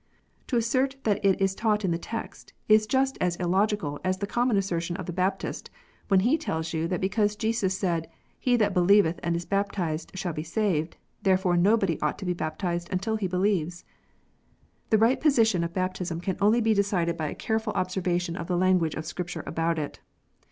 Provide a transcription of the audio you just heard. To assert that it is taught in the text, is just as illogical as the common assertion of the Baptist, when he tells you that because Jesus said, " He that belie veth and is baptized shall be saved," therefore nobody ought to be baptized until he believes ! The right position of baptism can only be decided by a careful observation of the language of Scripture about it.